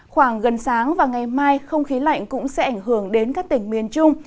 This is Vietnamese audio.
khoảng gần sáng và ngày mai không khí lạnh cũng sẽ ảnh hưởng đến các tỉnh miền trung